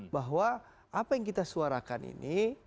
bahwa apa yang kita suarakan ini